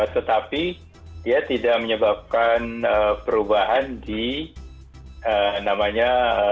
tetapi dia tidak menyebabkan perubahan di namanya